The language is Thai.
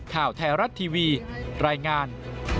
ข่าวไทยรัฐทีวีรายงาน